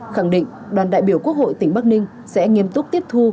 khẳng định đoàn đại biểu quốc hội tỉnh bắc ninh sẽ nghiêm túc tiếp thu